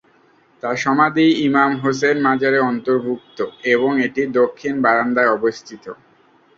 তাঁর সমাধি ইমাম হুসেন মাজারে অন্তর্ভুক্ত এবং এটি দক্ষিণ বারান্দায় অবস্থিত।